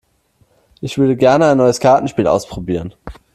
Ich würde gerne ein neues Kartenspiel ausprobieren.